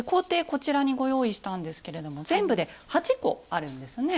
こちらにご用意したんですけれども全部で８個あるんですね。